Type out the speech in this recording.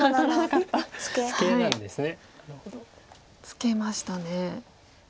ツケましたね。